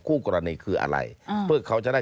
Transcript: คู่กรณีคืออะไรเพื่อเขาจะได้